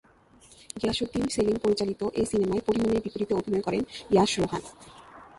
গিয়াসউদ্দিন সেলিম পরিচালিত এ সিনেমায় পরীমনির বিপরীতে অভিনয় করেন ইয়াশ রোহান।